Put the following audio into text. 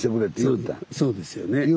そうですよね。